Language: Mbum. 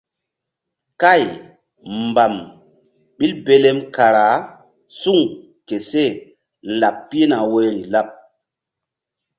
Kay mbam ɓil belem kara suŋ ke seh laɓ pihna woyri laɓ.